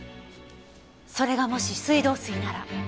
それがもし水道水なら。